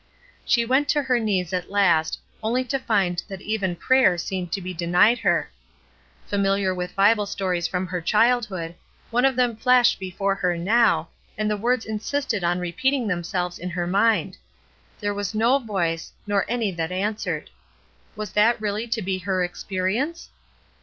She went to her knees at last, only to find that even prayer seemed to be denied her. Familiar with Bible stories from her childhood, one of them flashed before her now, and the words insisted on repeating themselves in her mind, "There was no voice, nor any that answered." Was that really to be her ex perience